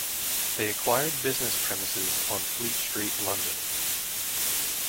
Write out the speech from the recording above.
They acquired business premises on Fleet Street, London.